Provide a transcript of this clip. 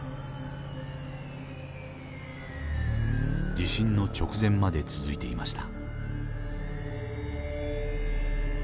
地震の直前まで続いていました。